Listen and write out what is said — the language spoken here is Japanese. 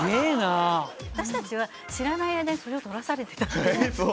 私たちは知らない間にそれを取らされてた？